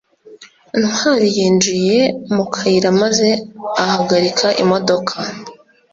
ntwali yinjiye mu kayira maze ahagarika imodoka